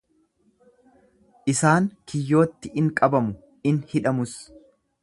Isaan kiyyootti in qabamu, in hidhamus.